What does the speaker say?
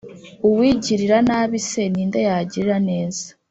Uwigirira nabi se, ni nde yagirira neza?